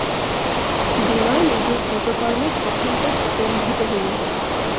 বিনয় নিজের কৃত কর্মে প্রথমটা স্তম্ভিত হইয়া গেল।